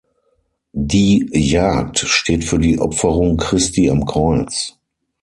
Die Jagd steht für die Opferung Christi am Kreuz.